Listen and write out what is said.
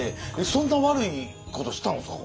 そんな悪いことしたんですか？